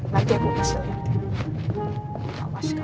nanti aku kasih liat ya